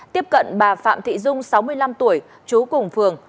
tiếp cận bà phạm thị dung sáu mươi năm tuổi trú cùng phường